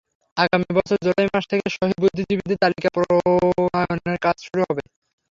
আগামী বছর জুলাই মাস থেকে শহীদ বুদ্ধীজীবীদের তালিকা প্রণয়নের কাজ শুরু হবে।